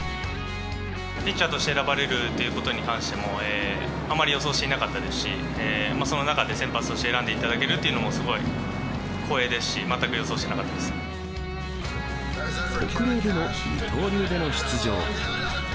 ピッチャーとして選ばれるということに関しても、あまり予想していなかったですし、その中で先発として選んでいただけるというのも、すごい光栄ですし、特例での二刀流での出場。